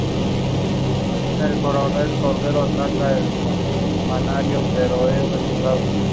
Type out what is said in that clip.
Su individualismo acabó con sus relaciones.